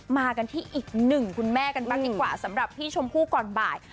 มากันที่อีกหนึ่งคุณแม่กันบ้างดีกว่าสำหรับพี่ชมพู่ก่อนบ่าย